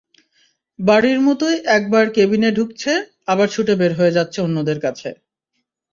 বাড়ির মতোই একবার কেবিনে ঢুকছে, আবার ছুটে বের হয়ে যাচ্ছে অন্যদের কাছে।